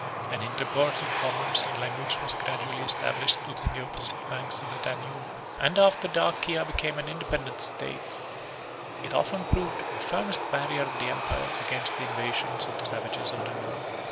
An intercourse of commerce and language was gradually established between the opposite banks of the Danube; and after Dacia became an independent state, it often proved the firmest barrier of the empire against the invasions of the savages of the North.